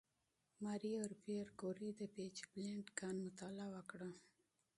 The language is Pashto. ماري او پېیر کوري د «پیچبلېند» کان مطالعه وکړه.